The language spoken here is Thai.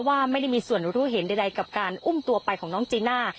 ว่าไม่ได้มีส่วนรู้เห็นใดกับการอุ้มตัวไปของน้องจีน่า